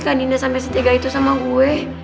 kak dinda sampe setiaga itu sama gue